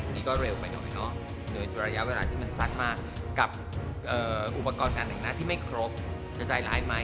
นี่ก็เร็วไปหน่อยเนาะโดยระยะเวลาที่มันซัดมากกับอุปกรณ์การแต่งหน้าที่ไม่ครบจะใจร้ายไหม